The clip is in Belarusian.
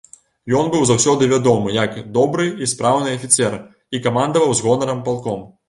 Ён быў заўсёды вядомы як добры і спраўны афіцэр і камандаваў з гонарам палком.